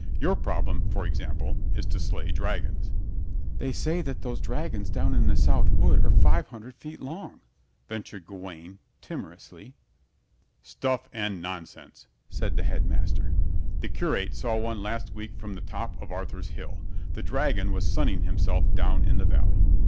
Your problem, for example, is to slay dragons." "They say that those dragons down in the south wood are five hundred feet long," ventured Gawaine, timorously. "Stuff and nonsense!" said the Headmaster. "The curate saw one last week from the top of Arthur's Hill. The dragon was sunning himself down in the valley.